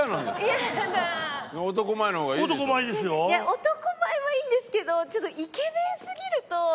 いや男前はいいんですけどちょっと。